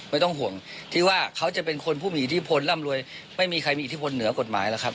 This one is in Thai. ไม่ต้องห่วงที่ว่าเขาจะเป็นคนผู้มีอิทธิพลร่ำรวยไม่มีใครมีอิทธิพลเหนือกฎหมายหรอกครับ